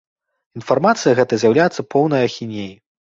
Інфармацыя гэтая з'яўляецца поўнай ахінеяй.